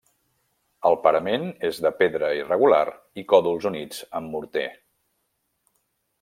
El parament és de pedra irregular i còdols units amb morter.